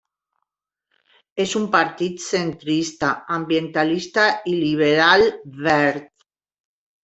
És un partit centrista, ambientalista i liberal verd.